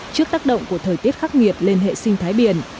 trước tác động của thời tiết khắc nghiệt lên hệ sinh thái biển